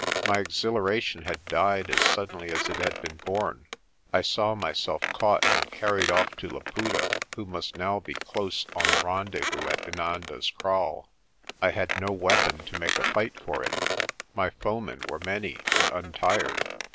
My exhilara tion had died as suddenly as it had been born. I saw myself caught and carried off to Laputa, who must now be close on the rendezvous at Inanda's Kraal. I had no weapon to make a fight for it. My foemen were many and untired.